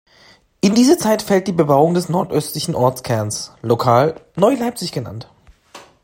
In diese Zeit fällt die Bebauung des nordöstlichen Ortskerns, lokal „Neu-Leipzig“ genannt.